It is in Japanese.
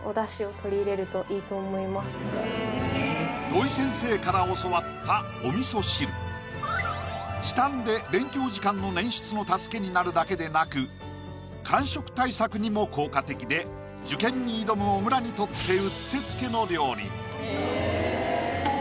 土井先生から教わった時短で勉強時間の捻出の助けになるだけでなく間食対策にも効果的で受験に挑む小倉にとってうってつけの料理！